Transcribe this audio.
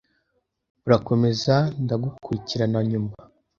Urakomeza ndagukurikirana nyuma